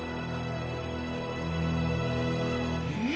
えっ？